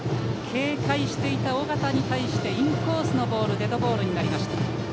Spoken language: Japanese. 警戒していた緒方に対してインコースのボールがデッドボールになりました。